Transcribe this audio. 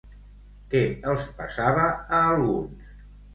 Què els passava a alguns?